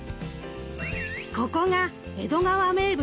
ここが江戸川名物